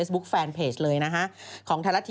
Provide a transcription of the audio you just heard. สวัสดีค่าข้าวใส่ไข่